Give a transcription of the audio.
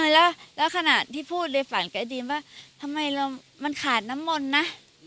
แล้วขณะที่พูดในฝันกับไอดีมว่าทำไมมันขาดน้ำมนต์นะ